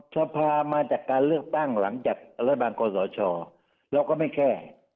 สภามาจากการเลือกตั้งหลังจากรัฐบาลคอสชเราก็ไม่แก้